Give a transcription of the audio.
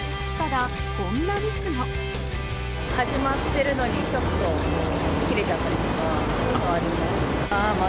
始まってるのに、ちょっと切れちゃったりとか、そういうのはありました。